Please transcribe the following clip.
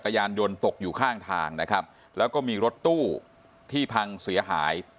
ยานยนต์ตกอยู่ข้างทางนะครับแล้วก็มีรถตู้ที่พังเสียหาย